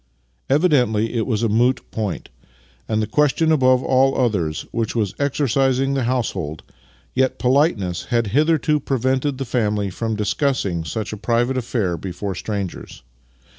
Evidently it was a moot point, and the question above all others which was exercising the household, yet politeness had hitherto prevented the family from discussing such a private affair before strangers.